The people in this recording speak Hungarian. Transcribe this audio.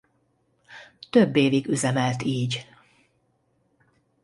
Több évig üzemelt így.